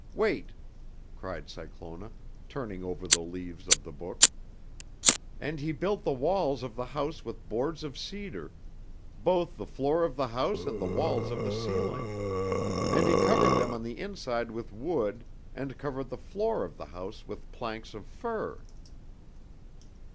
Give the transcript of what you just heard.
"Wait," cried Cyclona, turning over the leaves of the Book, "and he built the walls of the house with boards of cedar, both the floor of the house and the walls of the ceiling. And he covered them on the inside with wood and covered the floor of the house with planks of fir."